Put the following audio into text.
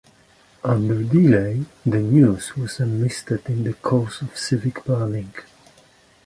Under Dealey, the News was enlisted in the cause of civic planning.